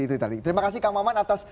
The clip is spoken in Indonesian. itu tadi terima kasih kak maman atas